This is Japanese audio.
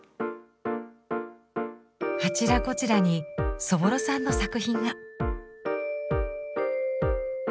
あちらこちらにそぼろさんの作品が。